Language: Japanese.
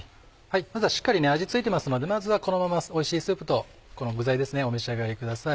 まずはしっかり味付いてますのでまずはこのままおいしいスープとこの具材ですねお召し上がりください。